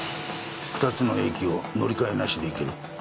２つの駅を乗り換えなしで行ける。